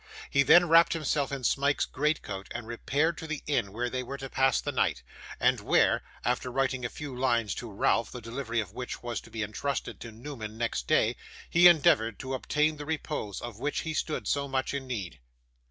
He then wrapped himself in Smike's greatcoat, and repaired to the inn where they were to pass the night, and where (after writing a few lines to Ralph, the delivery of which was to be intrusted to Newman next day), he endeavoured to obtain the repose of which he stood so much in need.